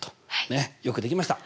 ねっよくできました。